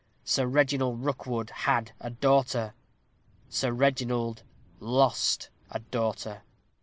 Sir Reginald Rookwood had a daughter; Sir Reginald lost a daughter.